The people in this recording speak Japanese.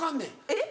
えっ？